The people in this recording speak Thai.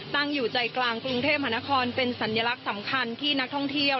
ตั้งอยู่ใจกลางกรุงเทพมหานครเป็นสัญลักษณ์สำคัญที่นักท่องเที่ยว